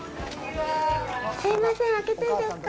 すいません、開けていいですか。